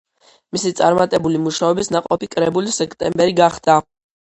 მისი წარმატებული მუშაობის ნაყოფი კრებული „სექტემბერი“ გახდა.